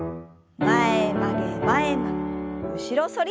前曲げ前曲げ後ろ反り。